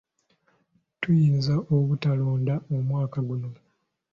Tuyinza obutalonda omwaka guno.